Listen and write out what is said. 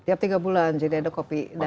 tiap tiga bulan jadi ada kopi